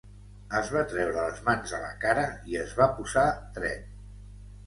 Es va treure les mans de la cara i es va posar dret.